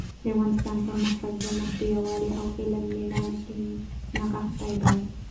د افغانستان پرمختګ زموږ په یووالي، علم او مېړانه کې نغښتی دی.